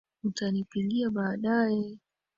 Utanipigia baadae